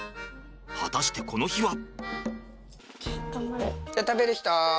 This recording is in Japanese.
果たしてこの日は？